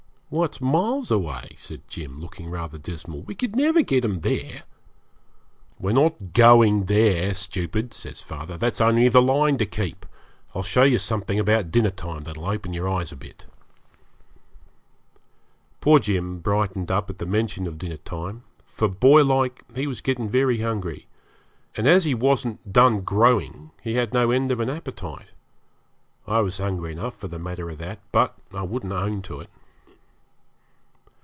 'Why, it's miles away,' said Jim, looking rather dismal. 'We could never get 'em there.' 'We're not going there, stupid,' says father; 'that's only the line to keep. I'll show you something about dinner time that'll open your eyes a bit.' Poor Jim brightened up at the mention of dinner time, for, boylike, he was getting very hungry, and as he wasn't done growing he had no end of an appetite. I was hungry enough for the matter of that, but I wouldn't own to it.